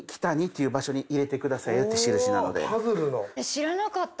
知らなかった。